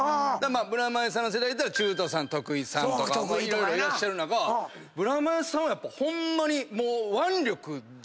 ブラマヨさんの世代やったらチュートさん徳井さんとか色々いらっしゃる中ブラマヨさんはホンマにもう。